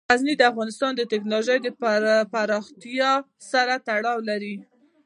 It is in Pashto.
غزني د افغانستان د تکنالوژۍ پرمختګ سره تړاو لري.